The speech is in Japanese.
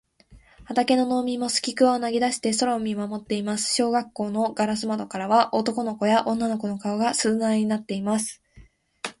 畑の農民もすきくわを投げだして空を見まもっています。小学校のガラス窓からは、男の子や女の子の顔が、鈴なりになっています。